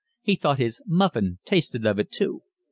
He thought his muffin tasted of it too.